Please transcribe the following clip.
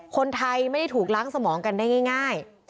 คนไทยไม่ได้ถูกล้างสมองกันได้ง่าย